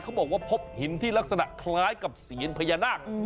บอกว่าพบหินที่ลักษณะคล้ายกับเสียญพญานาค